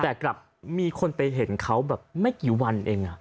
แต่กลับมีคนไปเห็นเขาแบบไม่กี่วันเอง